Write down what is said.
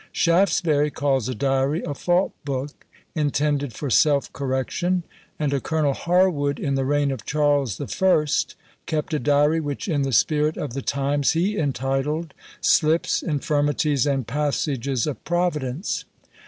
Shaftesbury calls a diary, "A fault book," intended for self correction; and a Colonel Harwood, in the reign of Charles the First, kept a diary, which, in the spirit of the times, he entitled "Slips, Infirmities, and Passages of Providence."